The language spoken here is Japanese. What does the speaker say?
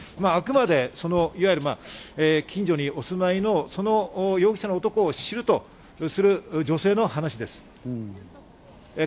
あくまで近所にお住まいの、その容疑者の男を知るという女性の話です。